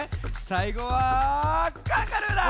さいごはカンガルーだ！